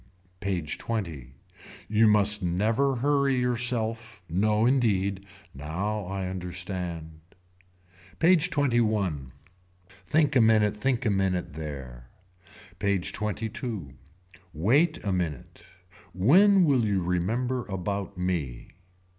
PAGE XX. You must never hurry yourself. No indeed. Now I understand. PAGE XXI. Think a minute think a minute there. PAGE XXII. Wait a minute. When will you remember about me.